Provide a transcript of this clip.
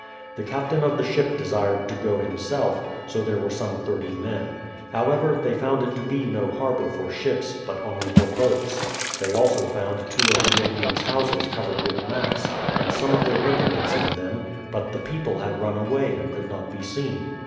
The captain of the ship desired to go himself, so there were some thirty men. However, tliey found it to be no harbour for ships, but only for boats. They also found two of the Indians' houses covered with mats, and some of their implements in them; but the people had run away and could not be seen.